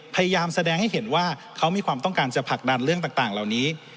พยายามแสดงให้เห็นว่าเขามีความต้องการจะผลักดันเรื่องต่างเหล่านี้